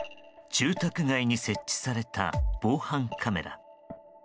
住宅街に設置された防犯カメラ。